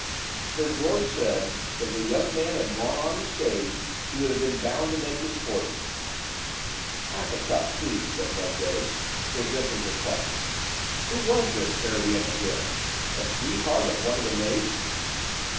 Sir George said if the young man had gone on the stage, he would have been bound to make his fortune." RECITING THE "NOBLE CONVICT." "Half a cup, please," said Loveday, presenting her cup. "Who was this Harry Emmett then–a sweetheart of one of the maids?"